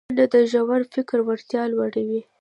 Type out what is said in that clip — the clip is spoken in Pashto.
منډه د ژور فکر وړتیا لوړوي